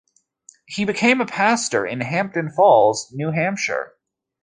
He became a pastor in Hampton Falls, New Hampshire.